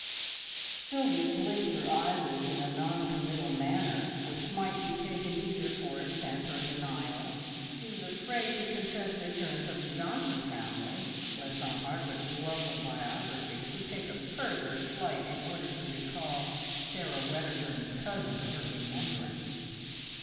Sylvia blinked her eyelids in a non committal manner which might be taken either for assent or denial. She was afraid to confess ignorance of the Johnson family, lest Aunt Margaret's love of biography should take a further flight in order to recall Sarah Wedderburn's cousin to her remembrance.